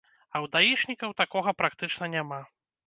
А ў даішнікаў такога практычна няма.